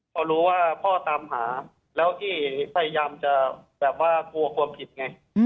พอรู้ว่าพ่อตามหาแล้วที่พยายามจะแบบว่ากลัวความผิดไง